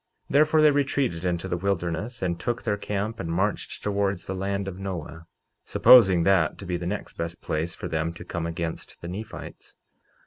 49:12 Therefore they retreated into the wilderness, and took their camp and marched towards the land of Noah, supposing that to be the next best place for them to come against the Nephites.